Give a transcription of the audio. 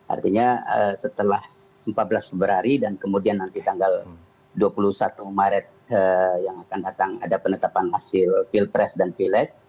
artinya setelah empat belas februari dan kemudian nanti tanggal dua puluh satu maret yang akan datang ada penetapan hasil pilpres dan pileg